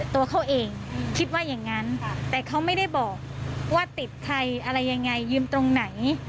ตัวเขาเองคิดว่าอย่างนั้นแต่เขาไม่ได้บอกว่าติดใครอะไรยังไงยืมตรงไหน